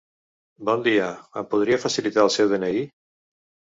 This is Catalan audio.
Bon dia, em podria facilitar el seu de-ena-i?